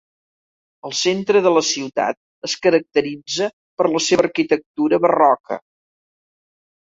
El centre de la ciutat es caracteritza per la seva arquitectura barroca.